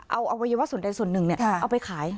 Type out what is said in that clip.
เอาอวัยวะส่วนใดส่วนหนึ่งเอาไปขาย